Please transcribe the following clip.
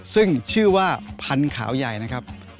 ซึ่งชื่อว่าพันธุ์ขาวใหญ่นะครับ